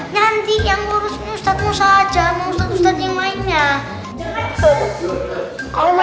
nanti yang ngurusin ustazah aja sama ustazah yang lainnya